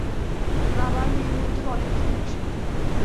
বাবা আর মেয়ের মধ্যে অনেক ভালোবাসা।